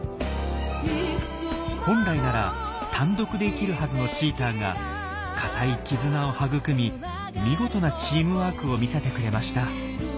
本来なら単独で生きるはずのチーターが固い絆を育み見事なチームワークを見せてくれました。